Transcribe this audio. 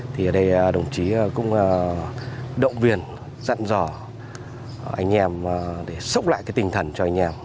thì ở đây đồng chí cũng động viên dặn dò anh em để sốc lại cái tinh thần cho anh em